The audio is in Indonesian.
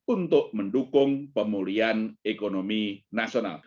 untuk mendukung pemulihan ekonomi nasional